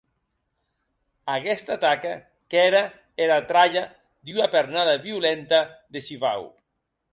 Aguesta taca qu’ère era tralha d’ua pernada violenta de shivau.